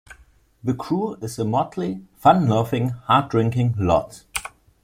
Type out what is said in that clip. The crew is a motley, fun-loving, hard-drinking lot.